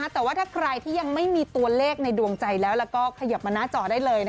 แต่ว่าถ้าใครที่ยังไม่มีตัวเลขในดวงใจแล้วแล้วก็ขยับมาหน้าจอได้เลย